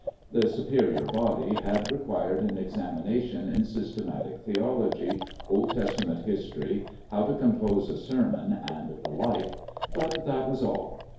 The Superior Body had required an examination in systematic theology, Old Testament history, how to com pose a sermon, and the like ; but that was all.